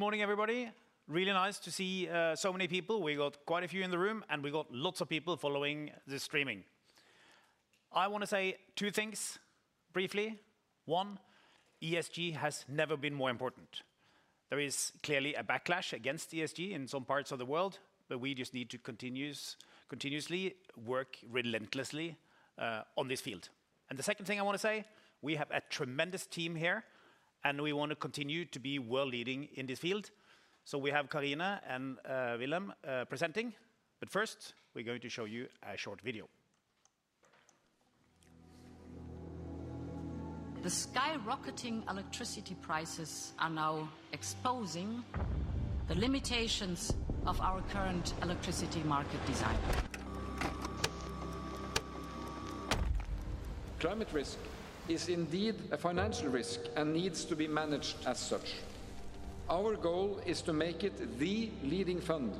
Good morning everybody. Really nice to see so many people. We've got quite a few in the room, and we've got lots of people following the streaming. I wanna say two things briefly. One, ESG has never been more important. There is clearly a backlash against ESG in some parts of the world, but we just need to continuously work relentlessly on this field. The second thing I wanna say, we have a tremendous team here, and we want to continue to be world leading in this field. We have Carine and Wilhelm presenting, but first we're going to show you a short video. The skyrocketing electricity prices are now exposing the limitations of our current electricity market design. Climate risk is indeed a financial risk and needs to be managed as such. Our goal is to make it the leading fund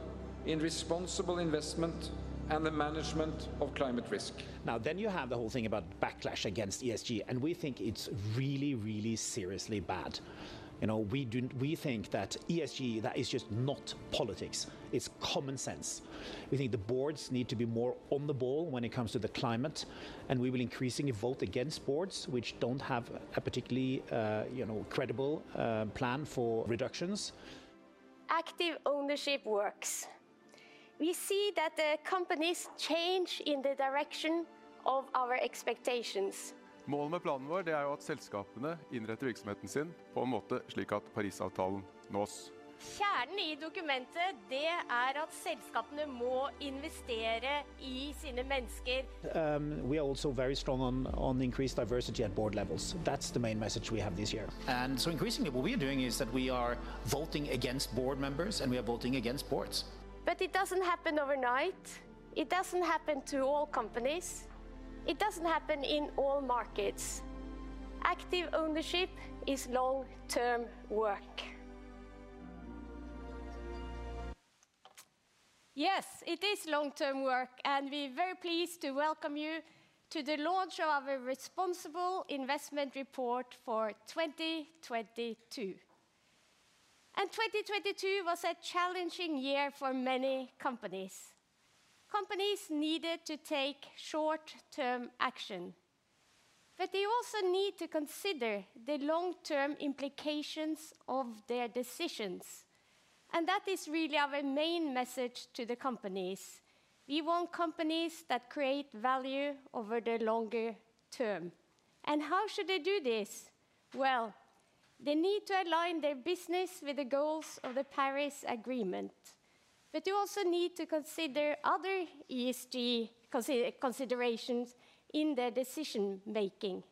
in responsible investment and the management of climate risk. You have the whole thing about backlash against ESG, and we think it's really, really seriously bad. You know, we think that ESG, that is just not politics. It's common sense. We think the boards need to be more on the ball when it comes to the climate, and we will increasingly vote against boards which don't have a particularly, you know, credible plan for reductions. Active ownership works. We see that the companies change in the direction of our expectations. We are also very strong on increased diversity at board levels. That's the main message we have this year. Increasingly what we are doing is that we are voting against board members, and we are voting against boards. It doesn't happen overnight. It doesn't happen to all companies. It doesn't happen in all markets. Active ownership is long-term work. Yes, it is long-term work, we're very pleased to welcome you to the launch of a responsible investment report for 2022. 2022 was a challenging year for many companies. Companies needed to take short-term action, they also need to consider the long-term implications of their decisions, that is really our main message to the companies. We want companies that create value over the longer term. How should they do this? They need to align their business with the goals of the Paris Agreement, they also need to consider other ESG considerations in their decision making,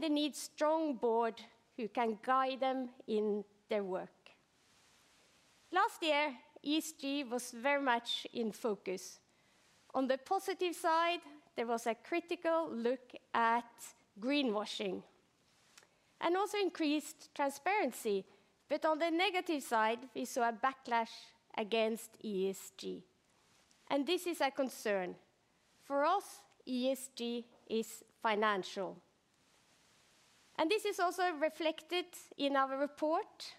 they need strong board who can guide them in their work. Last year, ESG was very much in focus. On the positive side, there was a critical look at greenwashing and also increased transparency. On the negative side, we saw a backlash against ESG, and this is a concern. For us, ESG is financial, and this is also reflected in our report.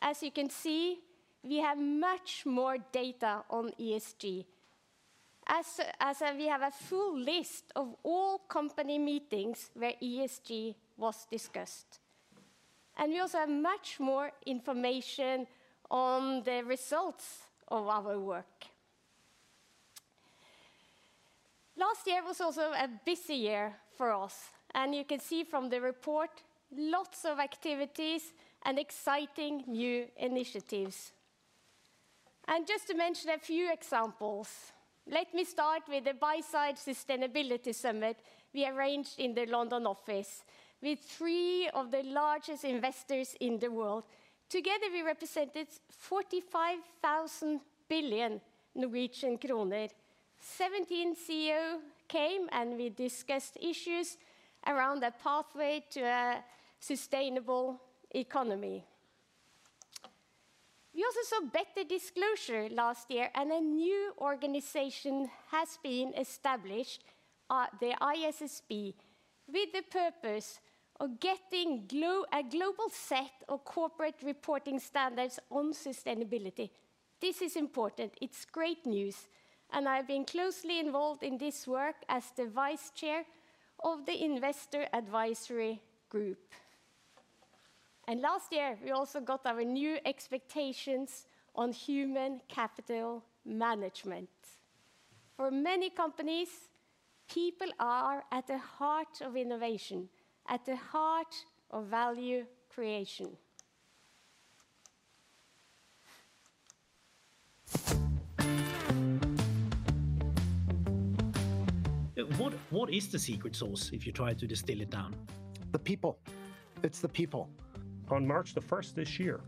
As you can see, we have much more data on ESG. As we have a full list of all company meetings where ESG was discussed, and we also have much more information on the results of our work. Last year was also a busy year for us, and you can see from the report lots of activities and exciting new initiatives. Just to mention a few examples, let me start with the Buy-Side Sustainability Summit we arranged in the London office with three of the largest investors in the world. Together we represented 45,000 billion Norwegian kroner. 17 CEO came. We discussed issues around the pathway to a sustainable economy. We also saw better disclosure last year. A new organization has been established, the ISSB, with the purpose of getting a global set of corporate reporting standards on sustainability. This is important, it's great news. I've been closely involved in this work as the Vice Chair of the Investor Advisory Group. Last year, we also got our new expectations on human capital management. For many companies, people are at the heart of innovation, at the heart of value creation. What is the secret sauce, if you try to distill it down? The people. It's the people. On March the first this year,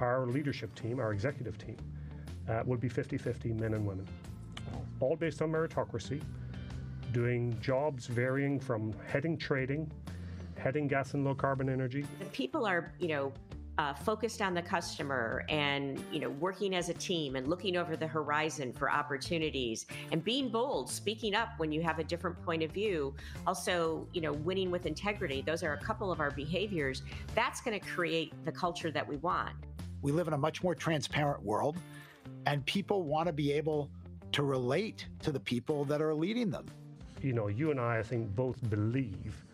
our leadership team, our executive team, will be 50/50 men and women. Wow. All based on meritocracy, doing jobs varying from heading trading, heading gas and low carbon energy. The people are, you know, focused on the customer and, you know, working as a team and looking over the horizon for opportunities and being bold, speaking up when you have a different point of view. You know, winning with integrity. Those are a couple of our behaviors. That's gonna create the culture that we want. We live in a much more transparent world, and people wanna be able. To relate to the people that are leading them. You know, you and I think, both believe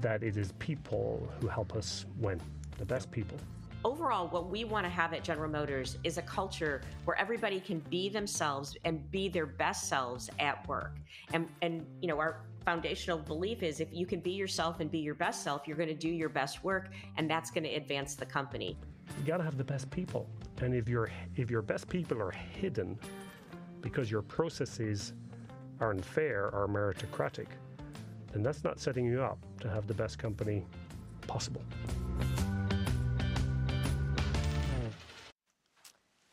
that it is people who help us win, the best people. Overall, what we wanna have at General Motors is a culture where everybody can be themselves and be their best selves at work. You know, our foundational belief is if you can be yourself and be your best self, you're gonna do your best work, and that's gonna advance the company. You gotta have the best people. If your best people are hidden because your processes aren't fair or meritocratic, then that's not setting you up to have the best company possible.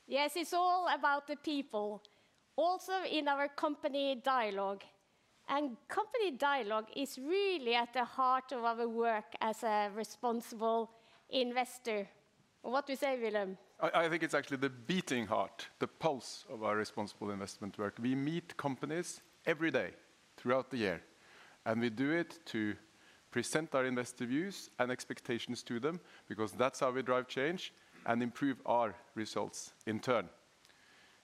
Yes, it's all about the people. Also in our company dialogue, company dialogue is really at the heart of our work as a responsible investor. What do you say, Wilhelm? I think it's actually the beating heart, the pulse of our responsible investment work. We meet companies every day throughout the year. We do it to present our investor views and expectations to them because that's how we drive change and improve our results in turn.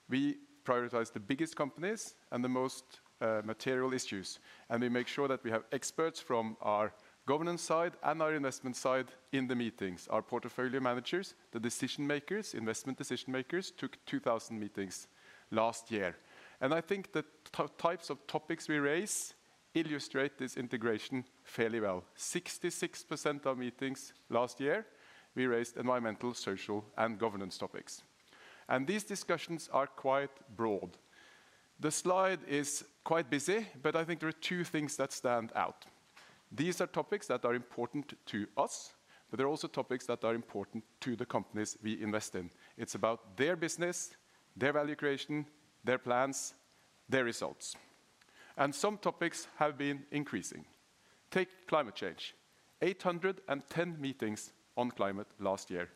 We prioritize the biggest companies and the most material issues, and we make sure that we have experts from our governance side and our investment side in the meetings. Our portfolio managers, the decision makers, investment decision makers, took 2,000 meetings last year. I think the types of topics we raise illustrate this integration fairly well. 66% of meetings last year, we raised environmental, social, and governance topics. These discussions are quite broad. The slide is quite busy, but I think there are two things that stand out. These are topics that are important to us, but they're also topics that are important to the companies we invest in. It's about their business, their value creation, their plans, their results. Some topics have been increasing. Take climate change. 810 meetings on climate last year.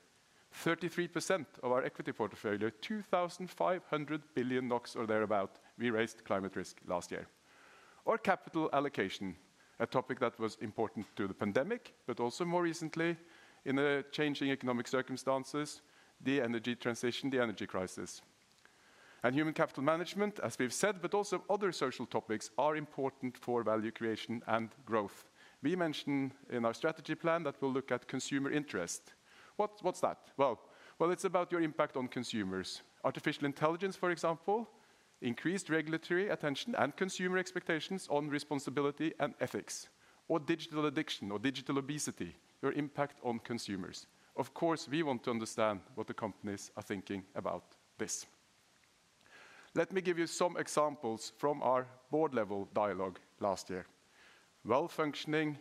33% of our equity portfolio, 2,500 billion NOK or thereabout, we raised climate risk last year. Capital allocation, a topic that was important to the pandemic, but also more recently in the changing economic circumstances, the energy transition, the energy crisis. Human capital management, as we've said, but also other social topics are important for value creation and growth. We mention in our strategy plan that we'll look at consumer interest. What's that? Well, it's about your impact on consumers. Artificial intelligence, for example, increased regulatory attention and consumer expectations on responsibility and ethics, or digital addiction or digital obesity, your impact on consumers. Of course, we want to understand what the companies are thinking about this. Let me give you some examples from our board level dialogue last year. Well-functioning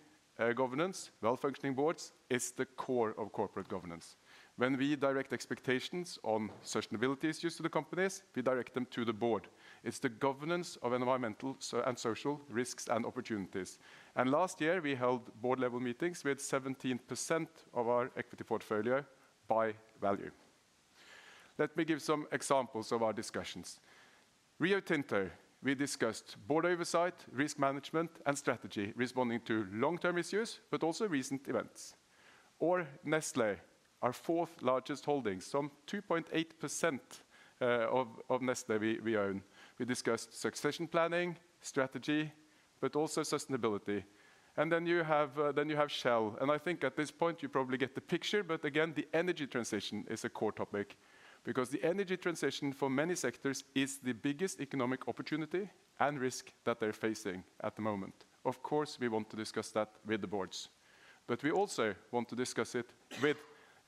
governance, well-functioning boards is the core of corporate governance. When we direct expectations on sustainability issues to the companies, we direct them to the board. It's the governance of environmental and social risks and opportunities. Last year, we held board level meetings with 17% of our equity portfolio by value. Let me give some examples of our discussions. Rio Tinto, we discussed board oversight, risk management, and strategy, responding to long-term issues, but also recent events. Nestlé, our fourth largest holding, some 2.8% of Nestlé we own. We discussed succession planning, strategy, but also sustainability. Then you have Shell, and I think at this point you probably get the picture, but again, the energy transition is a core topic because the energy transition for many sectors is the biggest economic opportunity and risk that they're facing at the moment. Of course, we want to discuss that with the boards. We also want to discuss it with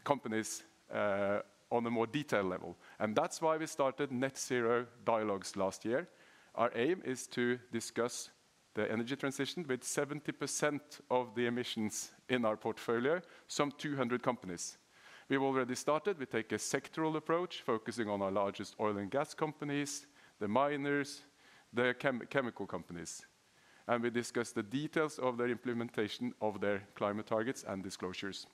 companies on a more detailed level, and that's why we started net zero dialogues last year. Our aim is to discuss the energy transition with 70% of the emissions in our portfolio, some 200 companies. We've already started. We take a sectoral approach, focusing on our largest oil and gas companies, the miners, the chemical companies. We discuss the details of their implementation of their climate targets and disclosures.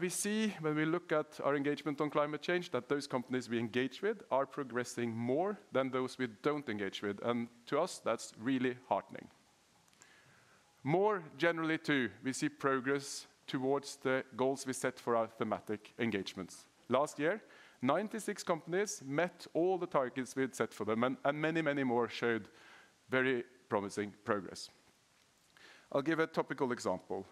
We see when we look at our engagement on climate change that those companies we engage with are progressing more than those we don't engage with. To us, that's really heartening. More generally, too, we see progress towards the goals we set for our thematic engagements. Last year, 96 companies met all the targets we had set for them, and many more showed very promising progress. I'll give a topical example.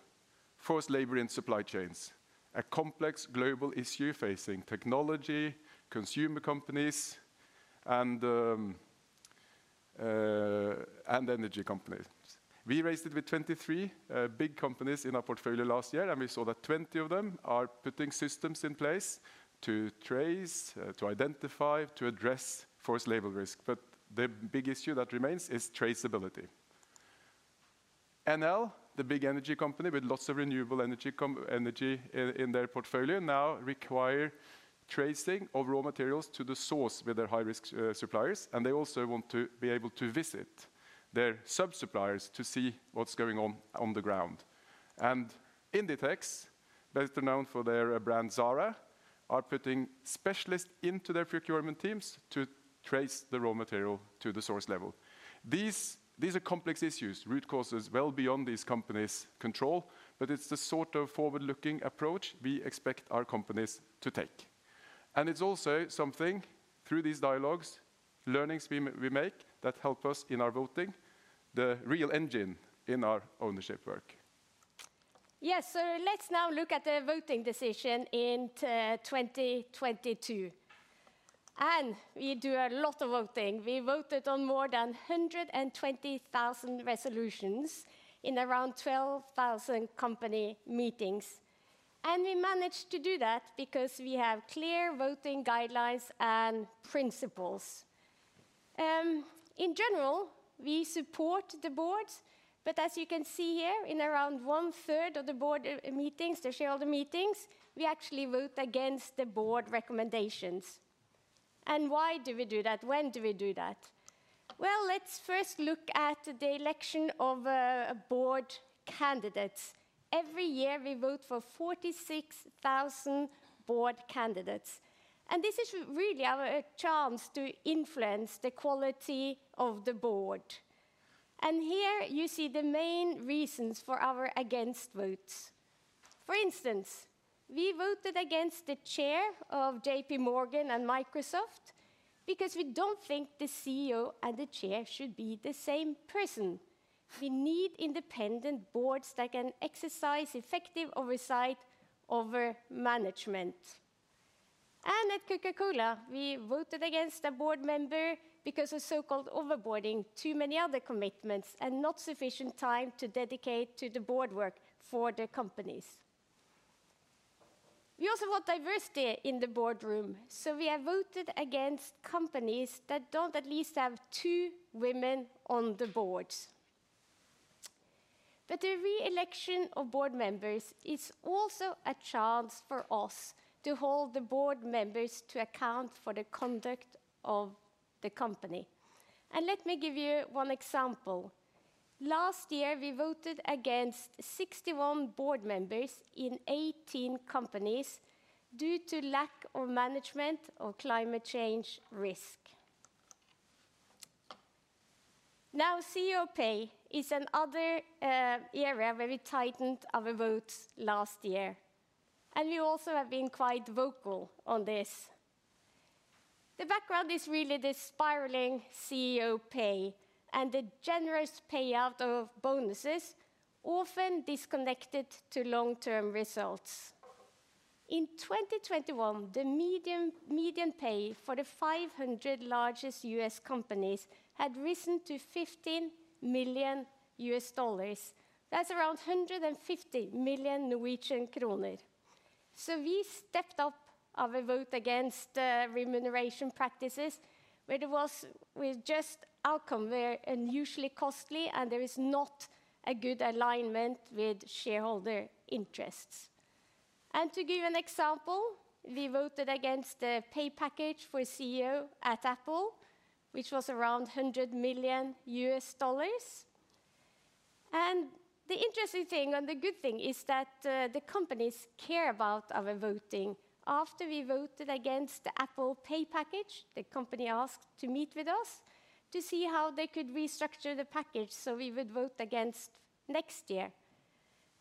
Forced labor in supply chains, a complex global issue facing technology, consumer companies, and energy companies. We raised it with 23 big companies in our portfolio last year, and we saw that 20 of them are putting systems in place to trace, to identify, to address forced labor risk. The big issue that remains is traceability. NL, the big energy company with lots of renewable energy. energy in their portfolio, now require tracing of raw materials to the source with their high-risk suppliers, and they also want to be able to visit their sub-suppliers to see what's going on the ground. Inditex, best known for their brand Zara, are putting specialists into their procurement teams to trace the raw material to the source level. These are complex issues, root causes well beyond these companies' control, but it's the sort of forward-looking approach we expect our companies to take. It's also something through these dialogues, learnings we make that help us in our voting, the real engine in our ownership work. Let's now look at the voting decision in 2022. We do a lot of voting. We voted on more than 120,000 resolutions in around 12,000 company meetings. We managed to do that because we have clear voting guidelines and principles. In general, we support the boards, but as you can see here, in around one-third of the board meetings, the shareholder meetings, we actually vote against the board recommendations. Why do we do that? When do we do that? Well, let's first look at the election of board candidates. Every year we vote for 46,000 board candidates. This is really our chance to influence the quality of the board. Here you see the main reasons for our against votes. For instance, we voted against the chair of JP Morgan and Microsoft because we don't think the CEO and the chair should be the same person. We need independent boards that can exercise effective oversight over management. At Coca-Cola, we voted against a board member because of so-called overboarding, too many other commitments, and not sufficient time to dedicate to the board work for the companies. We also want diversity in the boardroom, so we have voted against companies that don't at least have two women on the boards. The re-election of board members is also a chance for us to hold the board members to account for the conduct of the company. Let me give you one example. Last year we voted against 61 board members in 18 companies due to lack of management of climate change risk. CEO pay is another area where we tightened our votes last year. We also have been quite vocal on this. The background is really the spiraling CEO pay and the generous payout of bonuses often disconnected to long-term results. In 2021, the median pay for the 500 largest US companies had risen to $15 million. That's around 150 million Norwegian kroner. We stepped up our vote against remuneration practices with just outcome were unusually costly and there is not a good alignment with shareholder interests. To give you an example, we voted against the pay package for CEO at Apple, which was around $100 million. The interesting thing and the good thing is that the companies care about our voting. After we voted against the Apple pay package, the company asked to meet with us to see how they could restructure the package so we would vote against next year.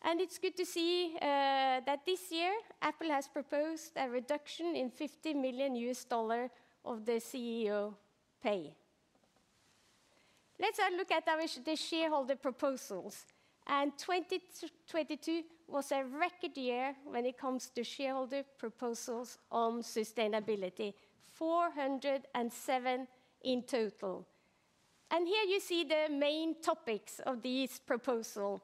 It's good to see that this year Apple has proposed a reduction in $50 million of the CEO pay. Let's look at the shareholder proposals. 2022 was a record year when it comes to shareholder proposals on sustainability, 407 in total. Here you see the main topics of these proposals,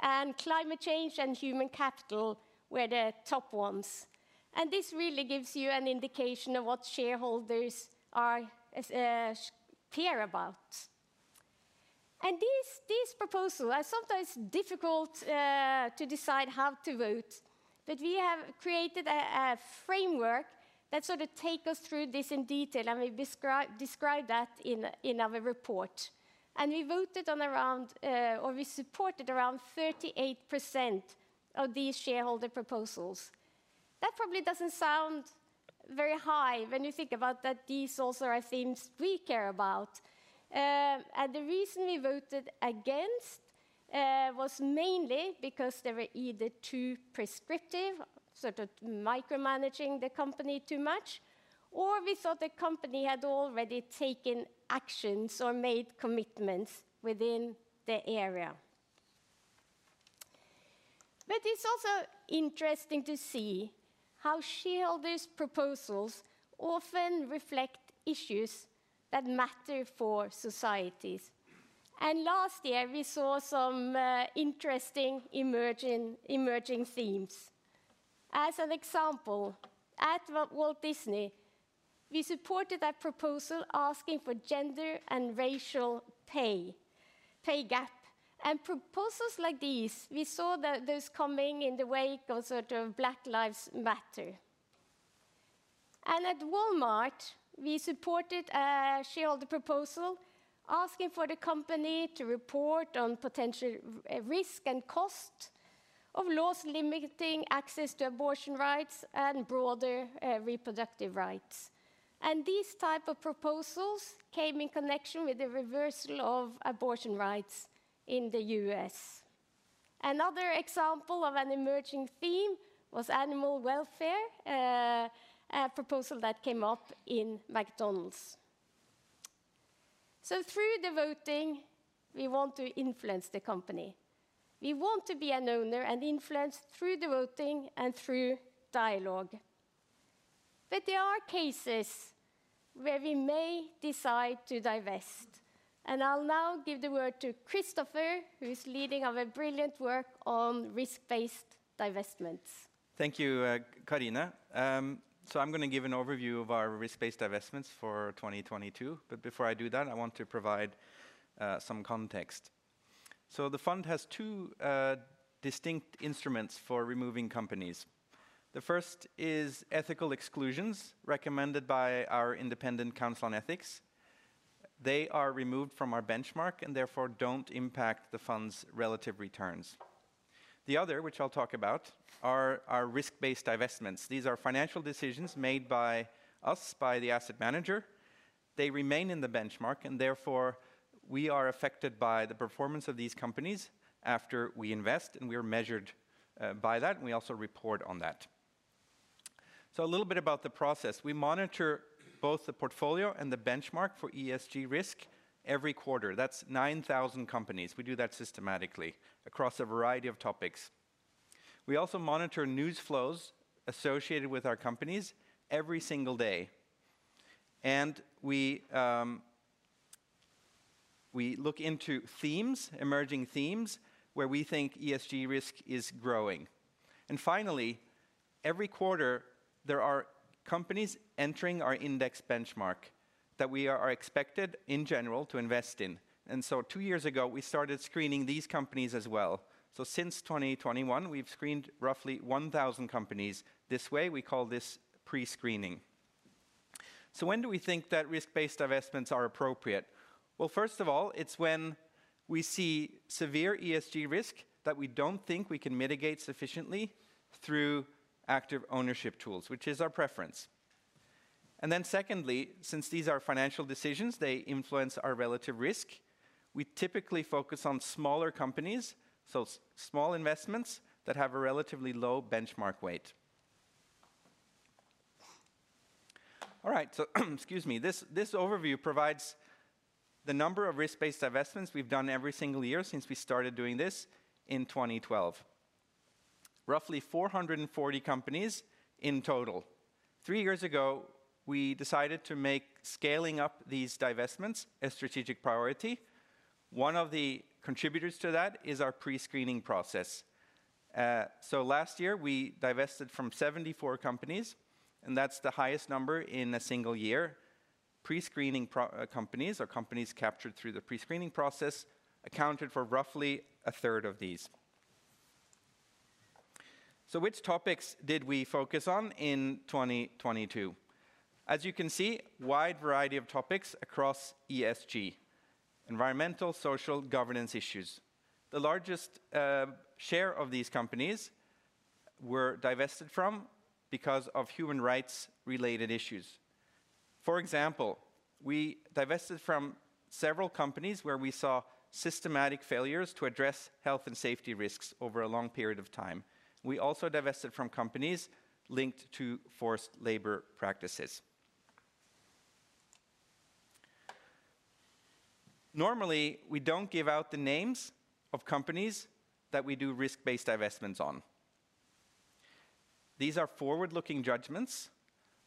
and climate change and human capital were the top ones. This really gives you an indication of what shareholders care about. These proposals are sometimes difficult to decide how to vote. We have created a framework that sort of take us through this in detail, and we describe that in our report. We voted on around or we supported around 38% of these shareholder proposals. That probably doesn't sound very high when you think about that these also are things we care about. The reason we voted against was mainly because they were either too prescriptive, sort of micromanaging the company too much, or we thought the company had already taken actions or made commitments within the area. It's also interesting to see how shareholders' proposals often reflect issues that matter for societies. Last year we saw some interesting emerging themes. As an example, at Walt Disney, we supported a proposal asking for gender and racial pay gap. Proposals like these, we saw those coming in the wake of sort of Black Lives Matter. At Walmart, we supported a shareholder proposal asking for the company to report on potential risk and cost of laws limiting access to abortion rights and broader reproductive rights. These type of proposals came in connection with the reversal of abortion rights in the U.S. Another example of an emerging theme was animal welfare, a proposal that came up in McDonald's. Through the voting, we want to influence the company. We want to be an owner and influence through the voting and through dialogue. There are cases where we may decide to divest, and I'll now give the word to Christopher, who is leading our brilliant work on risk-based divestments. Thank you, Carine. I'm gonna give an overview of our risk-based divestments for 2022. Before I do that, I want to provide some context. The fund has two distinct instruments for removing companies. The first is ethical exclusions recommended by our independent Council on Ethics. They are removed from our benchmark and therefore don't impact the fund's relative returns. The other, which I'll talk about, are our risk-based divestments. These are financial decisions made by us, by the asset manager. They remain in the benchmark, and therefore, we are affected by the performance of these companies after we invest, and we are measured by that, and we also report on that. A little bit about the process. We monitor both the portfolio and the benchmark for ESG risk every quarter. That's 9,000 companies. We do that systematically across a variety of topics. We also monitor news flows associated with our companies every single day. We look into themes, emerging themes, where we think ESG risk is growing. Finally, every quarter, there are companies entering our index benchmark that we are expected in general to invest in. two years ago, we started screening these companies as well. Since 2021, we've screened roughly 1,000 companies this way. We call this pre-screening. When do we think that risk-based divestments are appropriate? Well, first of all, it's when we see severe ESG risk that we don't think we can mitigate sufficiently through active ownership tools, which is our preference. Secondly, since these are financial decisions, they influence our relative risk. We typically focus on smaller companies, so small investments that have a relatively low benchmark weight. All right. Excuse me. This overview provides the number of risk-based divestments we've done every single year since we started doing this in 2012. Roughly 440 companies in total. Three years ago, we decided to make scaling up these divestments a strategic priority. One of the contributors to that is our pre-screening process. Last year, we divested from 74 companies, and that's the highest number in a single year. Pre-screening companies or companies captured through the pre-screening process accounted for roughly a third of these. Which topics did we focus on in 2022? As you can see, wide variety of topics across ESG, environmental, social, governance issues. The largest share of these companies were divested from because of human rights related issues. For example, we divested from several companies where we saw systematic failures to address health and safety risks over a long period of time. We also divested from companies linked to forced labor practices. Normally, we don't give out the names of companies that we do risk-based divestments on. These are forward-looking judgments.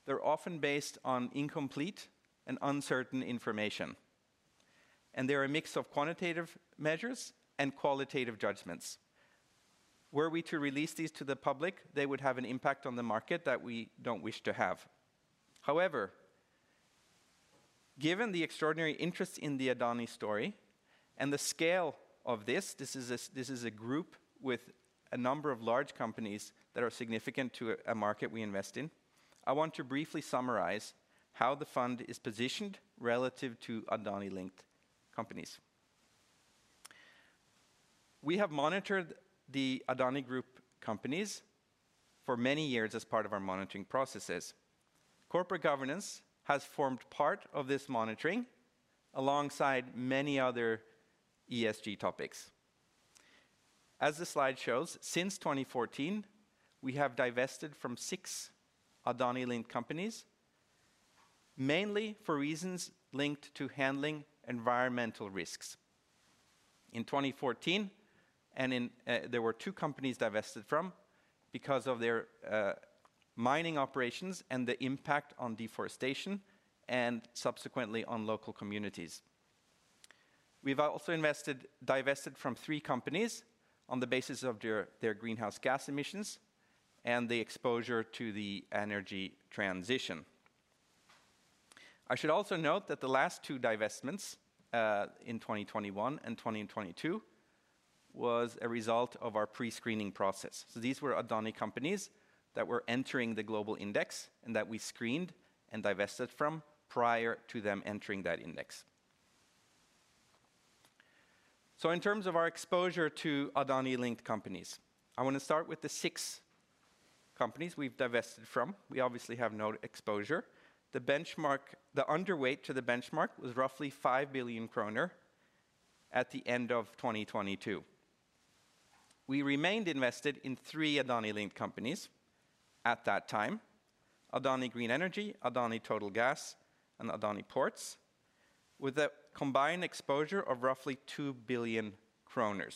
They're often based on incomplete and uncertain information, and they're a mix of quantitative measures and qualitative judgments. Were we to release these to the public, they would have an impact on the market that we don't wish to have. However, given the extraordinary interest in the Adani story and the scale of this is a group with a number of large companies that are significant to a market we invest in, I want to briefly summarize how the fund is positioned relative to Adani-linked companies. We have monitored the Adani Group companies for many years as part of our monitoring processes. Corporate governance has formed part of this monitoring alongside many other ESG topics. As the slide shows, since 2014, we have divested from six Adani-linked companies, mainly for reasons linked to handling environmental risks. In 2014, and in, there were two companies divested from because of their mining operations and the impact on deforestation and subsequently on local communities. We've also divested from three companies on the basis of their greenhouse gas emissions and the exposure to the energy transition. I should also note that the last two divestments in 2021 and 2022 was a result of our pre-screening process. These were Adani companies that were entering the global index and that we screened and divested from prior to them entering that index. In terms of our exposure to Adani-linked companies, I wanna start with the six companies we've divested from, we obviously have no exposure. The benchmark, the underweight to the benchmark was roughly 5 billion kroner at the end of 2022. We remained invested in three Adani-linked companies at that time, Adani Green Energy, Adani Total Gas and Adani Ports, with a combined exposure of roughly 2 billion kroner.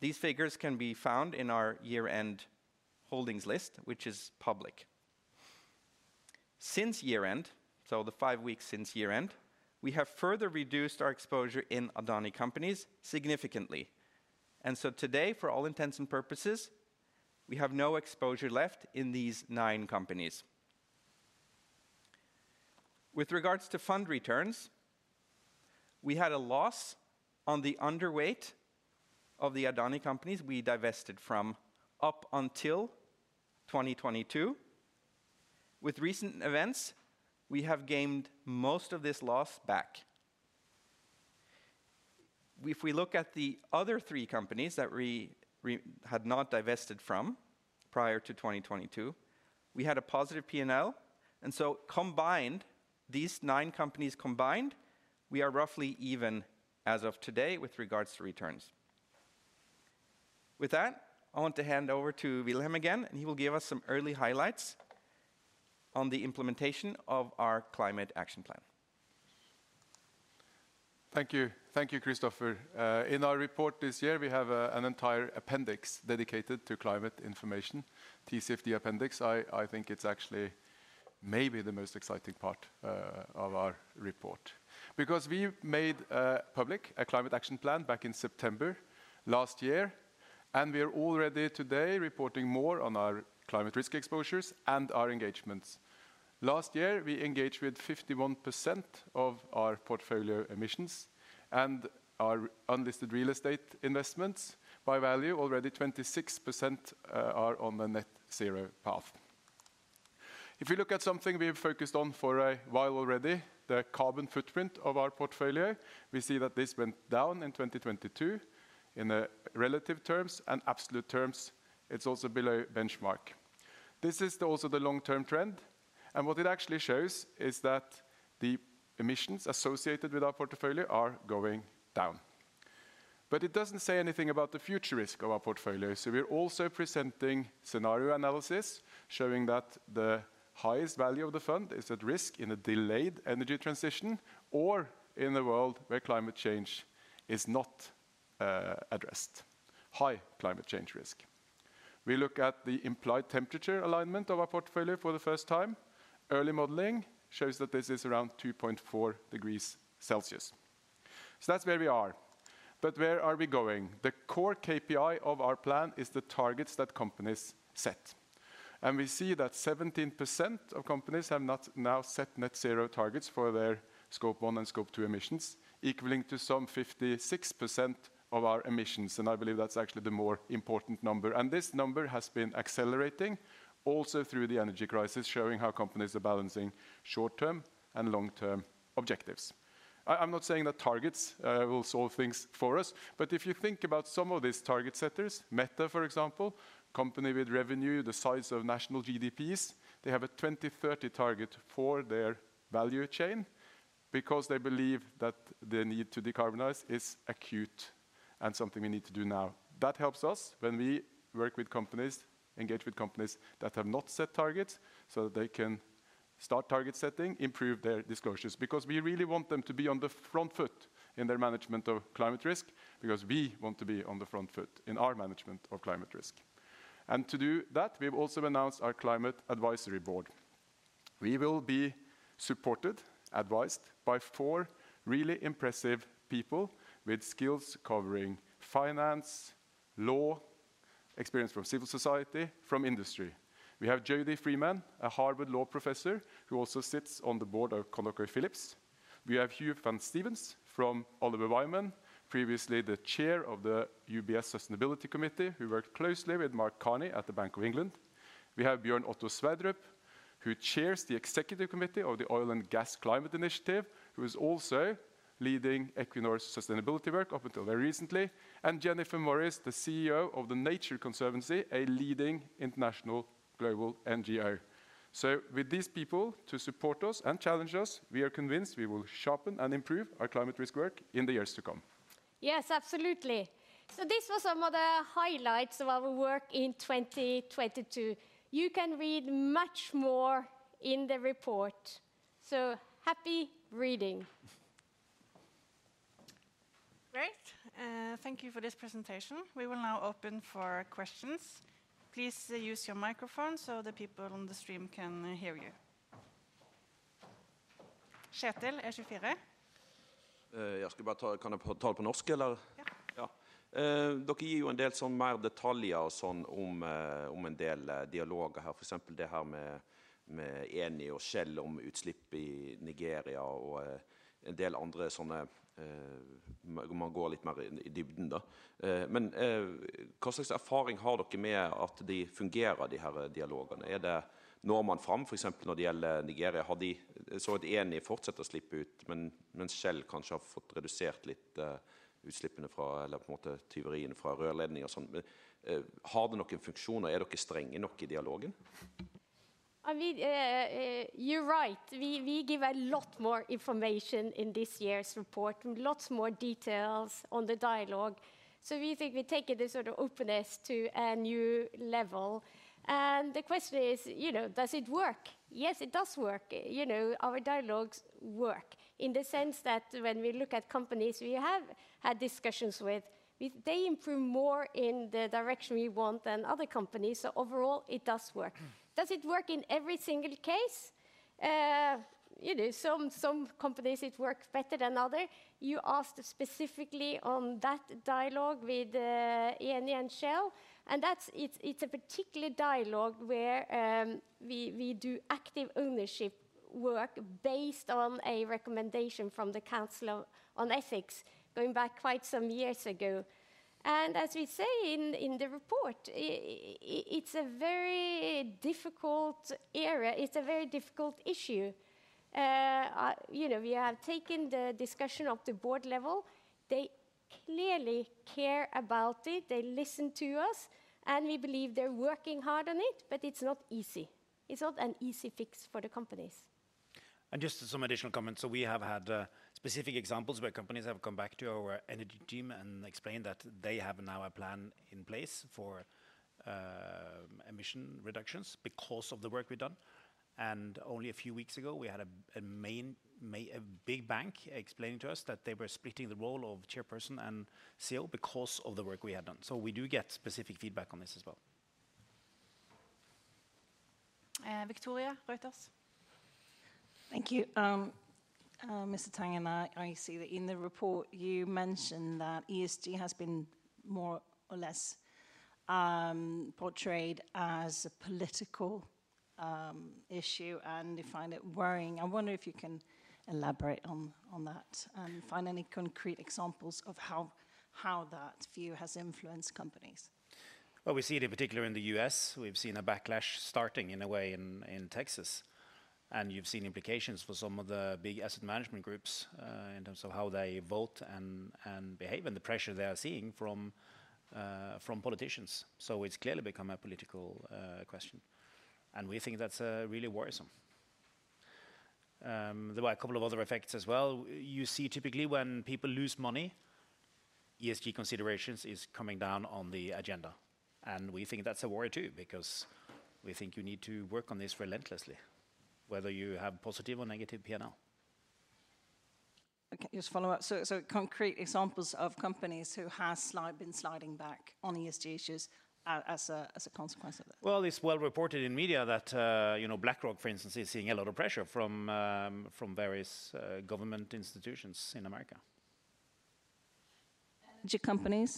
These figures can be found in our year-end holdings list, which is public. Since year-end, so the 5 weeks since year-end, we have further reduced our exposure in Adani companies significantly. Today, for all intents and purposes, we have no exposure left in these 9 companies. With regards to fund returns, we had a loss on the underweight of the Adani companies we divested from up until 2022. With recent events, we have gained most of this loss back. If we look at the other 3 companies that we had not divested from prior to 2022, we had a positive P&L. Combined, these 9 companies combined, we are roughly even as of today with regards to returns. With that, I want to hand over to Wilhelm again, and he will give us some early highlights on the implementation of our Climate Action Plan. Thank you. Thank you, Christopher. In our report this year, we have an entire appendix dedicated to climate information, TCFD appendix. I think it's actually maybe the most exciting part of our report. We made public a Climate Action Plan back in September last year, and we are already today reporting more on our climate risk exposures and our engagements. Last year, we engaged with 51% of our portfolio emissions and our unlisted real estate investments by value, already 26% are on the net zero path. If you look at something we've focused on for a while already, the carbon footprint of our portfolio, we see that this went down in 2022 in relative terms and absolute terms, it's also below benchmark. This is also the long-term trend, and what it actually shows is that the emissions associated with our portfolio are going down. It doesn't say anything about the future risk of our portfolio. We're also presenting scenario analysis showing that the highest value of the fund is at risk in a delayed energy transition or in a world where climate change is not addressed, high climate change risk. We look at the implied temperature alignment of our portfolio for the first time. Early modeling shows that this is around 2.4 degrees Celsius. That's where we are. Where are we going? The core KPI of our plan is the targets that companies set. We see that 17% of companies have not now set net zero targets for their Scope 1 and Scope 2 emissions, equaling to some 56% of our emissions. I believe that's actually the more important number. This number has been accelerating also through the energy crisis, showing how companies are balancing short term and long term objectives. I'm not saying that targets will solve things for us, but if you think about some of these target setters, Meta, for example, company with revenue the size of national GDPs, they have a 2030 target for their value chain because they believe that the need to decarbonize is acute and something we need to do now. That helps us when we work with companies, engage with companies that have not set targets so that they can start target setting, improve their disclosures, because we really want them to be on the front foot in their management of climate risk, because we want to be on the front foot in our management of climate risk. To do that, we've also announced our Climate Advisory Board. We will be supported, advised by four really impressive people with skills covering finance, law, experience from civil society, from industry. We have Jody Freeman, a Harvard law professor, who also sits on the board of ConocoPhillips. We have Huw van Steenis from Oliver Wyman, previously the chair of the UBS Sustainable Finance Committee, who worked closely with Mark Carney at the Bank of England. We have Bjørn Otto Sverdrup, who chairs the executive committee of the Oil and Gas Climate Initiative, who is also leading Equinor's sustainability work up until very recently. Jennifer Morris, the CEO of The Nature Conservancy, a leading international global NGO. With these people to support us and challenge us, we are convinced we will sharpen and improve our climate risk work in the years to come. Yes, absolutely. These were some of the highlights of our work in 2022. You can read much more in the report, so happy reading. Great. Thank you for this presentation. We will now open for questions. Please use your microphone so the people on the stream can hear you. Kjetil, E24. Ja, kan jeg bare ta det på norsk eller? Ja. Ja. Dere gir jo en del sånn mer detaljer og sånn om en del dialog her, for eksempel det her med Eni og Shell om utslipp i Nigeria og en del andre sånne, hvor man går litt mer i dybden da. Hva slags erfaring har dere med at de fungerer de her dialogene? Er det, når man fram for eksempel når det gjelder Nigeria, har de, så at Eni fortsetter å slippe ut, mens Shell kanskje har fått redusert litt utslippene fra eller på en måte tyveriene fra rørledninger og sånn. Har det noen funksjon, og er dere strenge nok i dialogen? I mean, you're right. We give a lot more information in this year's report and lots more details on the dialogue. We think we've taken this sort of openness to a new level. The question is, you know, does it work? Yes, it does work. You know, our dialogues work in the sense that when we look at companies we have had discussions with, they improve more in the direction we want than other companies. Overall, it does work. Does it work in every single case? You know, some companies it works better than others. You asked specifically on that dialogue with Eni and Shell, it's a particular dialogue where we do active ownership work based on a recommendation from the Council on Ethics going back quite some years ago. As we say in the report, it's a very difficult area. It's a very difficult issue. You know, we have taken the discussion up to board level. They clearly care about it. They listen to us, and we believe they're working hard on it, but it's not easy. It's not an easy fix for the companies. Just some additional comments. We have had specific examples where companies have come back to our energy team and explained that they have now a plan in place for emission reductions because of the work we've done. Only a few weeks ago, we had a big bank explaining to us that they were splitting the role of chairperson and CEO because of the work we had done. We do get specific feedback on this as well. Victoria Reuters. Thank you. Mr. Tang, I see that in the report you mention that ESG has been more or less portrayed as a political issue, and you find it worrying. I wonder if you can elaborate on that and find any concrete examples of how that view has influenced companies. Well, we see it in particular in the U.S. We've seen a backlash starting in a way in Texas. You've seen implications for some of the big asset management groups in terms of how they vote and behave, and the pressure they are seeing from politicians. It's clearly become a political question. We think that's really worrisome. There were a couple of other effects as well. You see, typically when people lose money, ESG considerations is coming down on the agenda. We think that's a worry too, because we think you need to work on this relentlessly, whether you have positive or negative P&L. Just follow up. Concrete examples of companies who have been sliding back on ESG issues as a consequence of this. Well, it's well reported in media that, you know, BlackRock, for instance, is seeing a lot of pressure from various, government institutions in America. Energy companies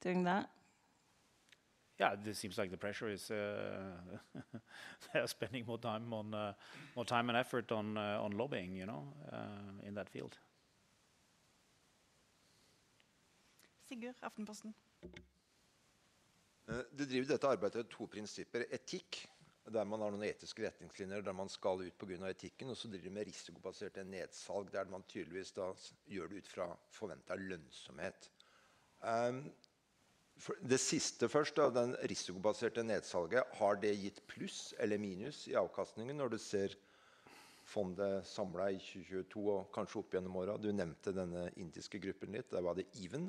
doing that? Yeah, this seems like the pressure is, they are spending more time on, more time and effort on lobbying, you know, in that field. Sigur Aftenposten. Du driver dette arbeidet etter to prinsipper. Etikk, der man har noen etiske retningslinjer der man skal ut på grunn av etikken, og så driver du med risikobasert nedsalg der man tydeligvis da gjør det ut fra forventet lønnsomhet. Det siste først da. Den risikobaserte nedsalget, har det gitt pluss eller minus i avkastningen når du ser fondet samlet i 2022 og kanskje opp gjennom årene? Du nevnte denne indiske gruppen litt. Der var det even.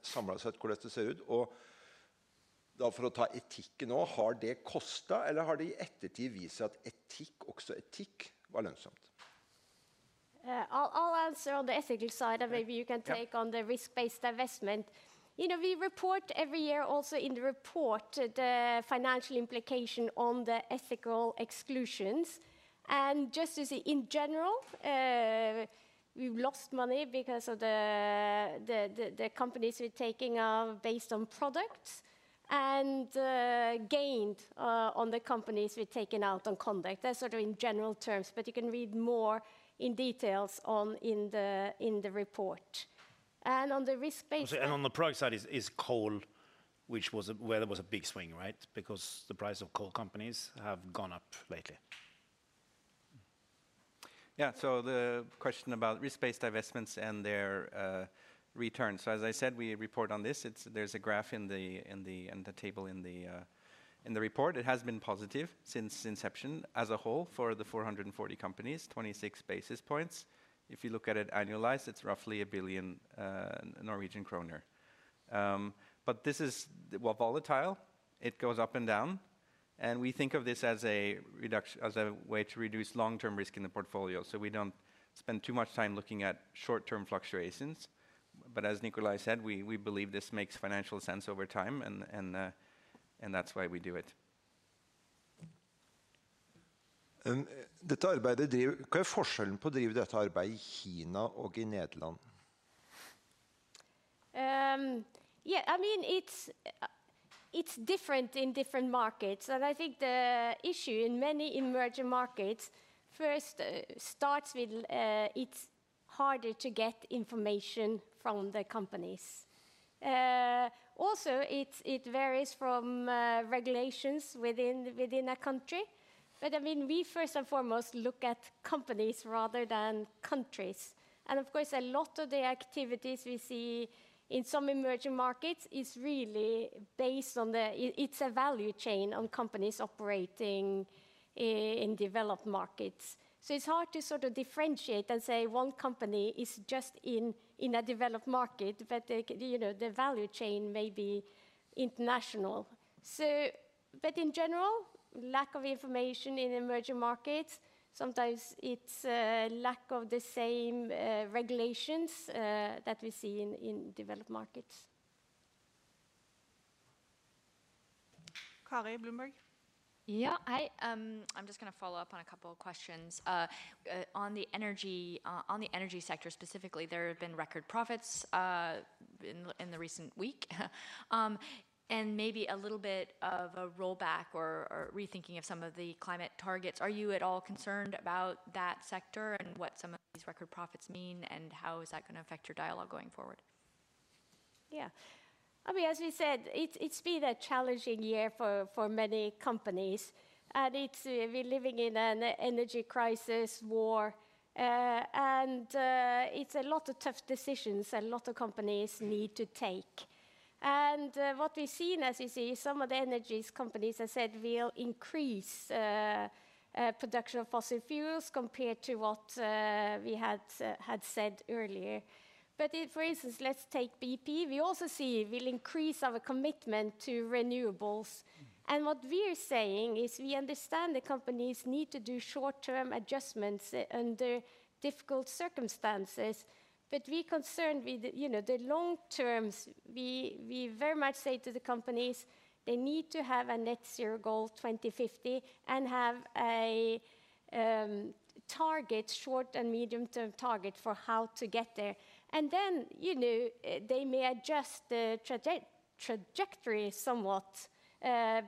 Samlet sett, hvordan det ser ut? Og da for å ta etikken nå, har det kostet eller har det i ettertid vist seg at etikk, også etikk, var lønnsomt? I'll answer on the ethical side. Maybe you can take on the risk-based divestment. Ja. You know, we report every year also in the report the financial implication on the ethical exclusions. Just to say, in general, we've lost money because of the companies we're taking, based on products and gained on the companies we've taken out on conduct. That's sort of in general terms, but you can read more in details on, in the, in the report. On the risk-based- On the product side is coal, which was, where there was a big swing, right? Because the price of coal companies have gone up lately. Yeah. The question about risk-based divestments and their returns. As I said, we report on this. It's, there's a graph in the, and a table in the report. It has been positive since inception as a whole for the 440 companies, 26 basis points. If you look at it annualized, it's roughly 1 billion Norwegian kroner. But this is, well, volatile. It goes up and down. We think of this as a way to reduce long-term risk in the portfolio. We don't spend too much time looking at short-term fluctuations. As Nicolai said, we believe this makes financial sense over time, and that's why we do it. Hva er forskjellen på å drive dette arbeidet i Kina og i Nederland? Yeah, I mean, it's different in different markets. I think the issue in many emerging markets first starts with, it's harder to get information from the companies. Also, it varies from regulations within a country. I mean, we first and foremost look at companies rather than countries. Of course, a lot of the activities we see in some emerging markets is really based on the. It's a value chain on companies operating in developed markets. It's hard to sort of differentiate and say one company is just in a developed market, but they, you know, the value chain may be international. In general, lack of information in emerging markets, sometimes it's lack of the same regulations that we see in developed markets. Kari, Bloomberg. Yeah. I'm just going to follow up on a couple of questions. On the energy sector specifically, there have been record profits in the recent week. Maybe a little bit of a rollback or rethinking of some of the climate targets. Are you at all concerned about that sector and what some of these record profits mean, and how is that going to affect your dialogue going forward? Yeah. I mean, as we said, it's been a challenging year for many companies, and it's, we're living in an energy crisis war. It's a lot of tough decisions a lot of companies need to take. What we've seen, as you see, some of the energies companies have said will increase production of fossil fuels compared to what we had said earlier. For instance, let's take BP. We also see we'll increase our commitment to renewables. What we're saying is we understand the companies need to do short-term adjustments under difficult circumstances. We're concerned with the, you know, the long terms. We very much say to the companies they need to have a net zero goal 2050 and have a target, short and medium-term target for how to get there. You know, they may adjust the trajectory somewhat,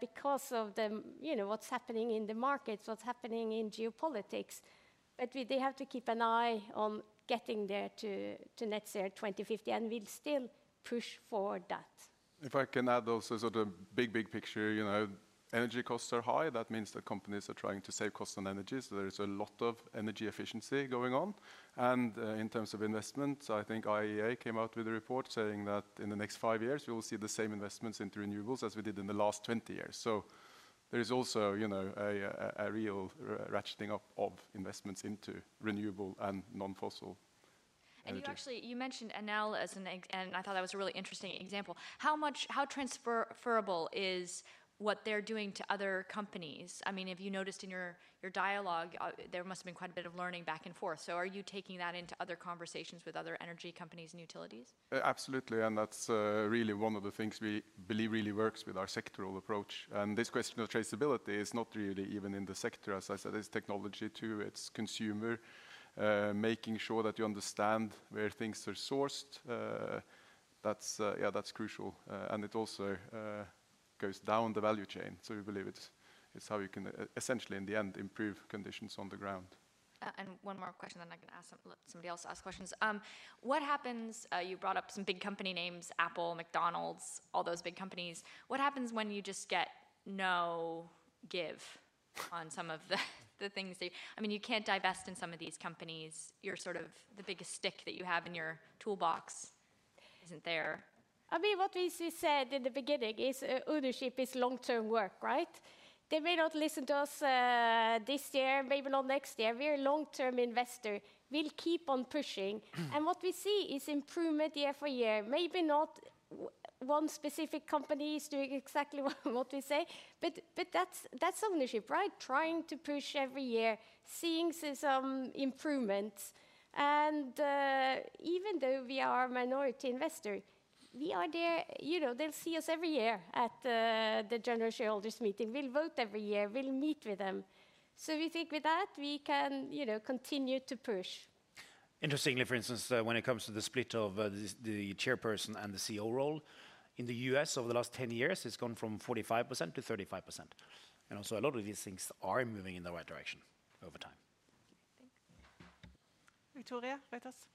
because of the, you know, what's happening in the markets, what's happening in geopolitics. They have to keep an eye on getting there to net zero 2050, and we'll still push for that. If I can add also sort of big, big picture, you know, energy costs are high. That means that companies are trying to save costs on energy, so there is a lot of energy efficiency going on. In terms of investment, I think IEA came out with a report saying that in the next five years, we will see the same investments into renewables as we did in the last 20 years. There is also, you know, a real ratcheting up of investments into renewable and non-fossil energies. You actually mentioned Analysys, and I thought that was a really interesting example. How much, how transferrable is what they're doing to other companies? I mean, have you noticed in your dialogue, there must have been quite a bit of learning back and forth. Are you taking that into other conversations with other energy companies and utilities? Absolutely. That's really one of the things we believe really works with our sectoral approach. This question of traceability is not really even in the sector. As I said, it's technology too. It's consumer, making sure that you understand where things are sourced. That's, yeah, that's crucial. It also goes down the value chain. We believe it's how you can essentially, in the end, improve conditions on the ground. One more question, then I can let somebody else ask questions. You brought up some big company names, Apple, McDonald's, all those big companies. What happens when you just get no give on some of the things they? I mean, you can't divest in some of these companies. You're sort of, the biggest stick that you have in your toolbox isn't there. I mean, what we said in the beginning is ownership is long-term work, right? They may not listen to us, this year, maybe not next year. We're a long-term investor. We'll keep on pushing. Mm. What we see is improvement year for year. Maybe not one specific company is doing exactly what we say, but that's ownership, right? Trying to push every year, seeing some improvements. Even though we are a minority investor, we are there. You know, they'll see us every year at the general shareholders meeting. We'll vote every year. We'll meet with them. We think with that we can, you know, continue to push. Interestingly, for instance, when it comes to the split of the chairperson and the CEO role, in the U.S. over the last 10 years, it's gone from 45% to 35%. A lot of these things are moving in the right direction over time. Thank you. Victoria, Reuters.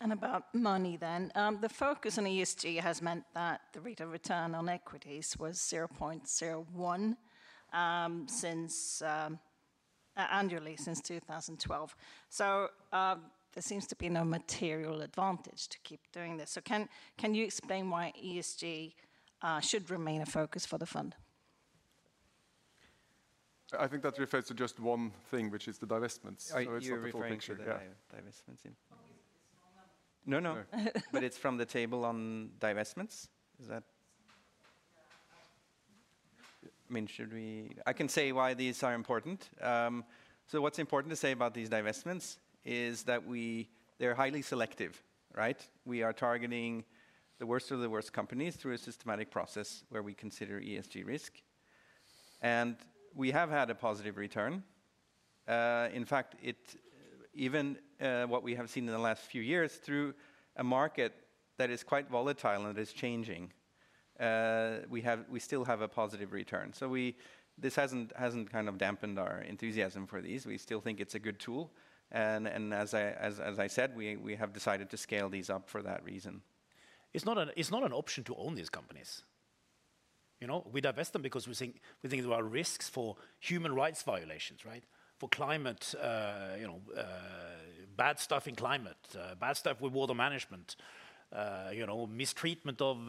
About money then. The focus on ESG has meant that the rate of return on equities was 0.01% annually since 2012. There seems to be no material advantage to keep doing this. Can you explain why ESG should remain a focus for the fund? I think that refers to just one thing, which is the divestments. It's the whole picture. Oh, you're referring to the divestments. Yeah. No, no. It's from the table on divestments. Is that? Yeah. I mean should we..., I can say why these are important. What's important to say about these divestments is that they're highly selective, right? We are targeting the worst of the worst companies through a systematic process where we consider ESG risk, and we have had a positive return. In fact, it even what we have seen in the last few years through a market that is quite volatile and it is changing. We still have a positive return. This hasn't kind of dampened our enthusiasm for these. We still think it's a good tool. As I said, we have decided to scale these up for that reason. It's not an option to own these companies, you know? We divest them because we think there are risks for human rights violations, right? For climate, you know, bad stuff in climate, bad stuff with water management, you know, mistreatment of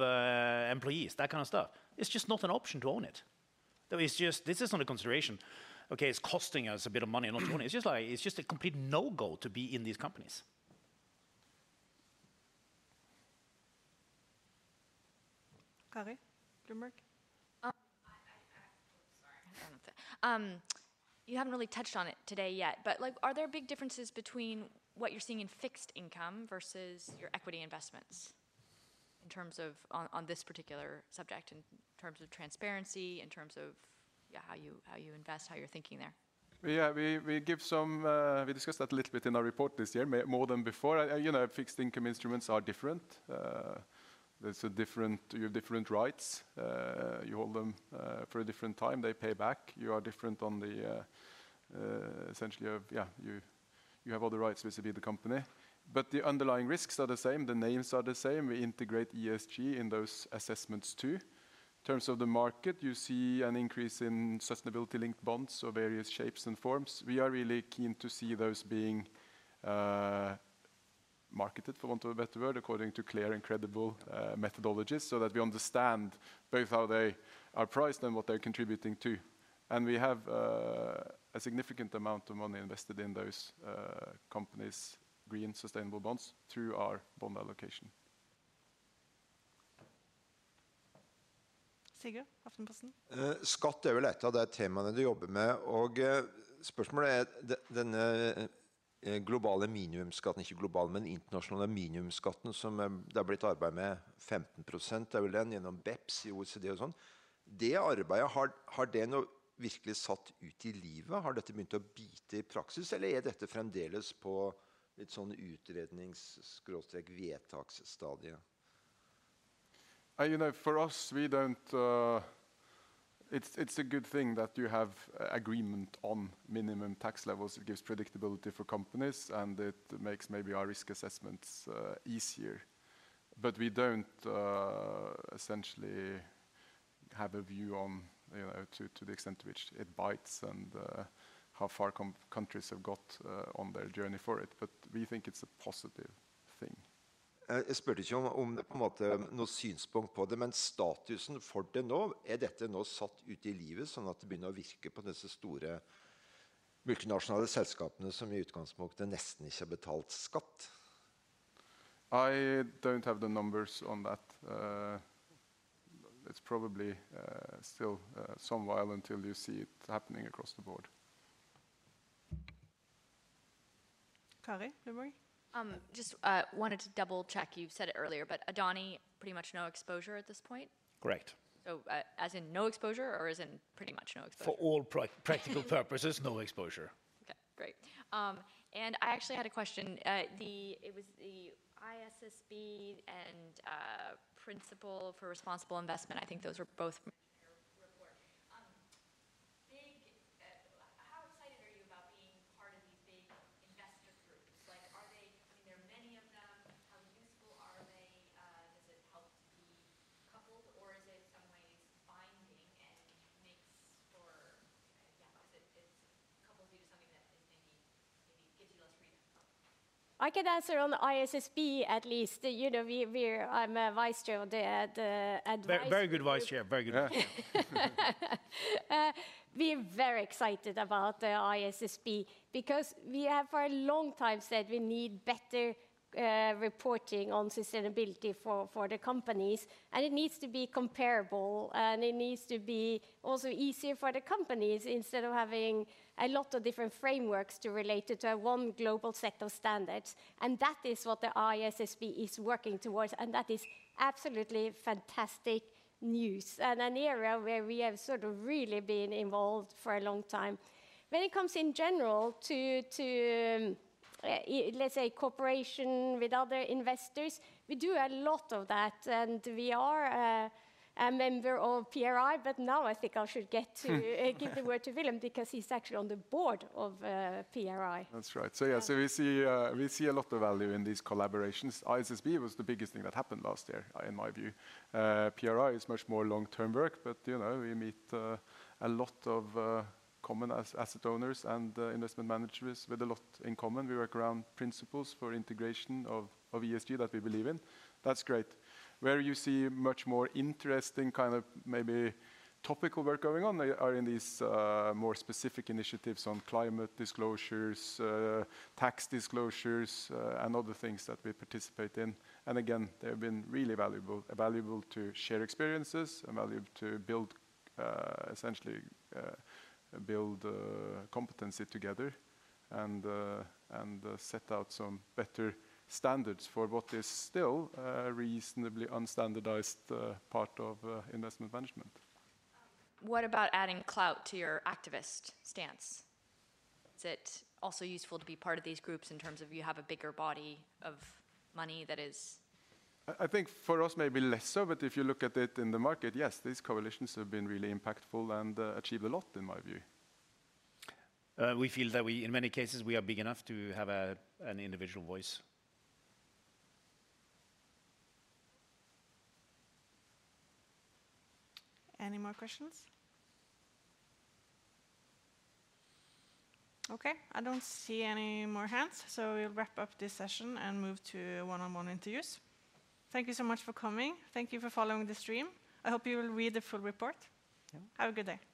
employees, that kind of stuff. It's just not an option to own it. I mean, it's just This is not a consideration. Okay, it's costing us a bit of money not to own it. It's just like, it's just a complete no-go to be in these companies. Kari, Bloomberg. You haven't really touched on it today yet, like, are there big differences between what you're seeing in fixed income versus your equity investments in terms of on this particular subject, in terms of transparency, in terms of, yeah, how you invest, how you're thinking there? Yeah. We, we give some. We discussed that a little bit in our report this year, more than before. You know, fixed income instruments are different. There's a different, you have different rights. You hold them for a different time. They pay back. You are different on the, you have all the rights vis-à-vis the company. The underlying risks are the same. The names are the same. We integrate ESG in those assessments too. In terms of the market, you see an increase in sustainability-linked bonds of various shapes and forms. We are really keen to see those being marketed, for want of a better word, according to clear and credible methodologies, so that we understand both how they are priced and what they're contributing to. We have a significant amount of money invested in those companies' green sustainable bonds through our bond allocation. Sigur Aftenposten. skatt er vel et av de temaene du jobber med, og spørsmålet er denne globale minimumsskatten, ikke globale, men internasjonale minimumsskatten som det er blitt arbeidet med, 15% er vel den gjennom BEPS i OECD og sånn. Det arbeidet, har det nå virkelig satt ut i livet? Har dette begynt å bite i praksis, eller er dette fremdeles på et sånn utrednings skråstrek vedtaksstadiet? You know, for us, we don't It's a good thing that you have agreement on minimum tax levels. It gives predictability for companies, and it makes maybe our risk assessments easier. We don't essentially have a view on, you know, to the extent to which it bites and how far countries have got on their journey for it. We think it's a positive thing. Jeg spurte ikke om på en måte noe synspunkt på det, men statusen for det nå. Er dette nå satt ut i livet sånn at det begynner å virke på disse store multinasjonale selskapene som i utgangspunktet nesten ikke har betalt skatt? I don't have the numbers on that. It's probably still some while until you see it happening across the board. Kari, Bloomberg. Just wanted to double-check. You've said it earlier, but Adani, pretty much no exposure at this point? Correct. as in no exposure, or as in pretty much no exposure? For all practical purposes, no exposure. Okay, great. I actually had a question. It was the ISSB and Principles for Responsible Investment. I think those were both in your report. How excited are you about being part of these big investor groups? Like, I mean, there are many of them. How useful are they? Does it help to be coupled, or is it in some ways binding? Yeah, is coupling to something that maybe gives you less freedom? I can answer on ISSB at least. You know, I'm a vice chair on the advice group. Very good Vice Chair. Very good Vice Chair. We're very excited about ISSB because we have for a long time said we need better reporting on sustainability for the companies, and it needs to be comparable, and it needs to be also easier for the companies instead of having a lot of different frameworks to relate it to one global set of standards. That is what the ISSB is working towards, and that is absolutely fantastic news and an area where we have sort of really been involved for a long time. When it comes in general to let's say cooperation with other investors, we do a lot of that, and we are a member of PRI. Now I think I should give the word to Wilhelm, because he's actually on the board of PRI. That's right. Yeah. We see a lot of value in these collaborations. ISSB was the biggest thing that happened last year in my view. PRI is much more long-term work, but, you know, we meet a lot of common asset owners and investment managers with a lot in common. We work around principles for integration of ESG that we believe in. That's great. Where you see much more interesting kind of maybe topical work going on are in these more specific initiatives on climate disclosures, tax disclosures, and other things that we participate in. Again, they have been really valuable. Valuable to share experiences and valuable to build, essentially, build, competency together and set out some better standards for what is still a reasonably unstandardized, part of, investment management. What about adding clout to your activist stance? Is it also useful to be part of these groups in terms of you have a bigger body of money that is- I think for us, maybe less so. If you look at it in the market, yes, these coalitions have been really impactful and achieve a lot in my view. We feel that we, in many cases, we are big enough to have an individual voice. Any more questions? Okay, I don't see any more hands, so we'll wrap up this session and move to one-on-one interviews. Thank you so much for coming. Thank you for following the stream. I hope you will read the full report. Yeah. Have a good day.